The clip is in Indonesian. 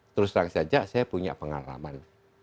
terus terang saja saya punya pengalaman